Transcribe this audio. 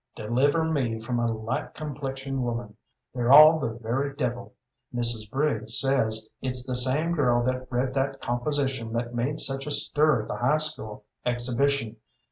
"Deliver me from a light complexioned woman. They're all the very devil. Mrs. Briggs says it's the same girl that read that composition that made such a stir at the high school exhibition.